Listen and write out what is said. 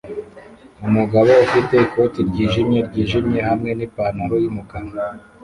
Umugabo ufite ikoti ryijimye ryijimye hamwe nipantaro yumukara